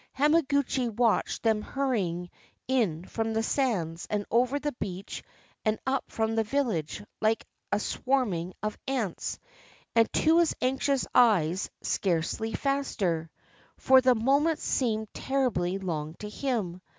Hamaguchi watched them hurr}^ ing in from the sands and over the beach and up from the village, like a swarming of ants, and, to his anxious 347 JAPAN eyes, scarcely faster; for the moments seemed terribly long to him.